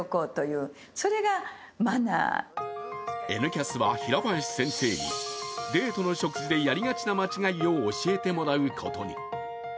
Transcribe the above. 「Ｎキャス」は平林先生にデートの食事でやりがちな間違いを教えてもらうことに。